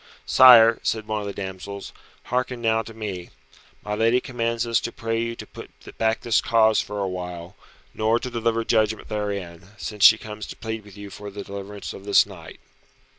"Sire," said one of the two damsels, "hearken now to me. My lady commands us to pray you to put back this cause for a while, nor to deliver judgment therein, since she comes to plead with you for the deliverance of this knight."